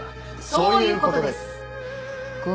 そういうことです！